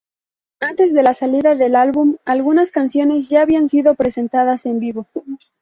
Antes de la salida del álbum, algunas canciones ya habían sido presentadas en vivo.